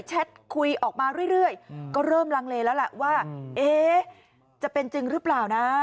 แท็ตคุยออกมาเรื่อยก็เริ่มลังเลแล้วแหละว่าจะเป็นจริงหรือเปล่านะ